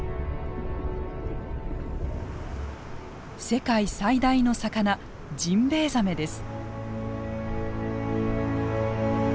世界最大の魚ジンベエザメです。